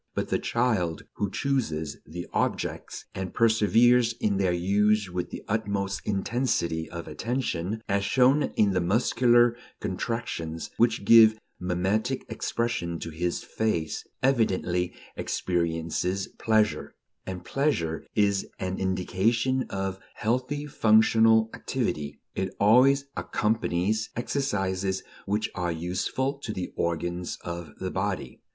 But the child who chooses the objects, and perseveres in their use with the utmost intensity of attention, as shown in the muscular contractions which give mimetic expression to his face, evidently experiences pleasure, and pleasure is an indication of healthy functional activity; it always accompanies exercises which are useful to the organs of the body.